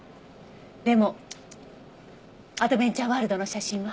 でもアドベンチャーワールドの写真は。